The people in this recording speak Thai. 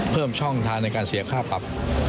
เพิ่มช่องทางในการเสียค่าปรับ